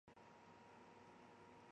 父亲涂秉彰。